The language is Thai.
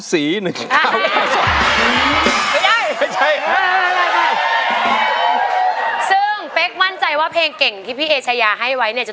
ตัวช่วยละครับเหลือใช้ได้อีกสองแผ่นป้ายในเพลงนี้จะหยุดทำไมสู้อยู่แล้วนะครับ